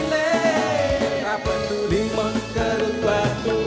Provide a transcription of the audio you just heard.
rapat pilih mangaru batu